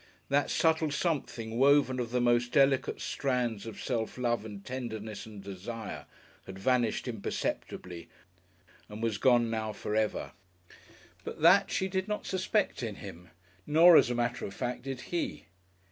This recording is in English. That subtle something woven of the most delicate strands of self love and tenderness and desire, had vanished imperceptibly; and was gone now for ever. But that she did not suspect in him, nor as a matter of fact did he.